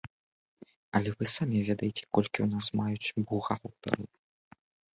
Але вы самі ведаеце, колькі ў нас маюць бухгалтары.